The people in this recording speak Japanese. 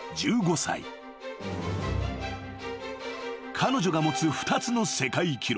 ［彼女が持つ２つの世界記録。